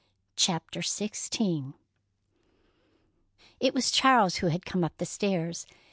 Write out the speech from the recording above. CHAPTER XVI It was Charles who had come up the stairs.